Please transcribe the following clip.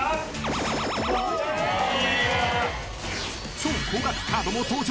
［超高額カードも登場！